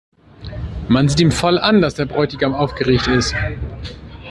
Man sieht ihm voll an, dass der Bräutigam aufgeregt ist.